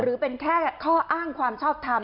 หรือเป็นแค่ข้ออ้างความชอบทำ